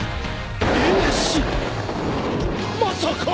まさか。